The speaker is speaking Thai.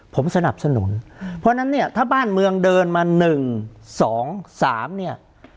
ผมสนับสนุนเพราะฉะนั้นเนี้ยถ้าบ้านเมืองเดินมาหนึ่งสองสามเนี้ย